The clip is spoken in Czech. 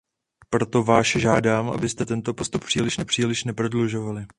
Proto váš žádám, abyste tento postup příliš neprodlužovali.